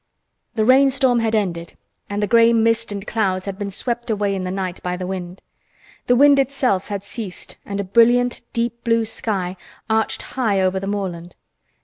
The rainstorm had ended and the gray mist and clouds had been swept away in the night by the wind. The wind itself had ceased and a brilliant, deep blue sky arched high over the moorland.